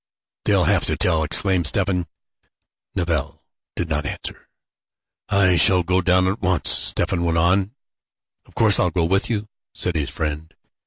"They'll have to tell!" exclaimed Stephen. Nevill did not answer. "I shall go down at once," Stephen went on. "Of course I'll go with you," said his friend.